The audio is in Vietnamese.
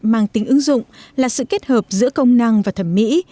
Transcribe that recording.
mô hình ứng dụng là sự kết hợp giữa công năng và thẩm mỹ